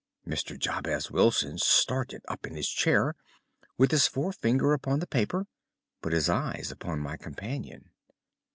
Mr. Jabez Wilson started up in his chair, with his forefinger upon the paper, but his eyes upon my companion.